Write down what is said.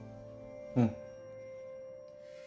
うん。